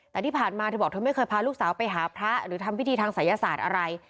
แต่ที่ผ่านมาเธอบอกเธอไม่เคยพาลูกสาวไปหาพระหรือทำพิธีทางศัยศาสตร์อะไร